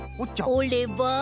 おれば？